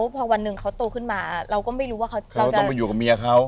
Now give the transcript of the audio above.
พอวันหนึ่งเขาโตขึ้นมาเราก็ไม่รู้ว่าเราจะต้องไปอยู่กับเมียเขา